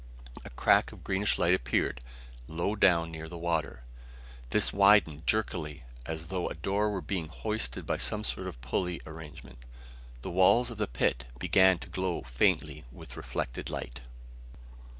A crack of greenish light appeared, low down near the water. This widened jerkily as though a door were being hoisted by some sort of pulley arrangement. The walls of the pit began to glow faintly with reflected light.